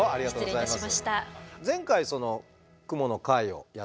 失礼いたしました。